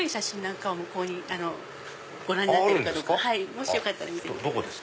もしよかったら見てください